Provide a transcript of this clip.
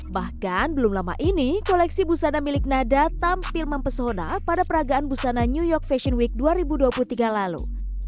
bahkan belum lama ini koleksi busana milik nada tampil mempesona pada peragaan busana new york fashion week dua ribu dua puluh tiga lalu